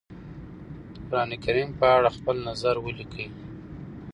قرآنکريم په اړه خپل نظر وليکی؟